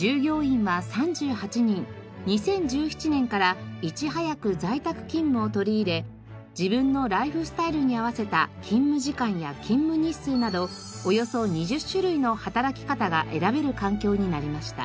２０１７年からいち早く在宅勤務を取り入れ自分のライフスタイルに合わせた勤務時間や勤務日数などおよそ２０種類の働き方が選べる環境になりました。